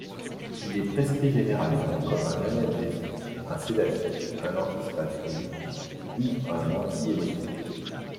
Il est prescrit généralement comme un analgésique, un sédatif, un antispasmodique ou un antiémétique.